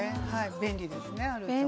便利ですね。